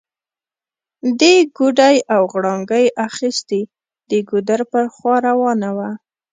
دې ګوډی او غړانګۍ اخيستي، د ګودر پر خوا روانه وه